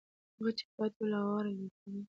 هغه چې پاتې ول، آوار لړزېدل.